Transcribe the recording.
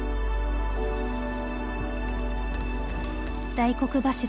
大黒柱